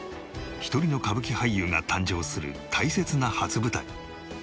１人の歌舞伎俳優が誕生する大切な初舞台。